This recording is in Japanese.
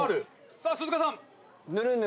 さあ鈴鹿さん。